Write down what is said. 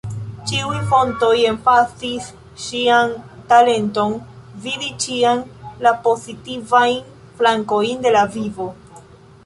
Ĉiuj fontoj emfazis ŝian talenton vidi ĉiam la pozitivajn flankojn en la vivo.